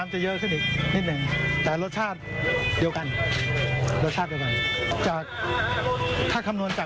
ไปฟังเสียงเพาะค้ากันจ้า